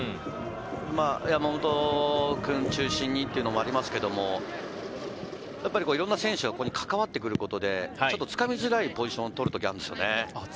山本君を中心にというのもありますけど、やっぱりいろんな選手がかかわってくることで、ちょっとつかみづらいポジションを取るときがあるんですよね。